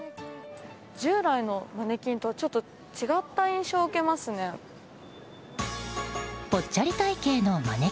従来のマネキンとちょっと違った印象を受けますね。